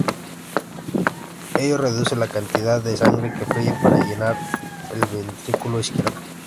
Ello reduce la cantidad de sangre que fluye para llenar el ventrículo izquierdo.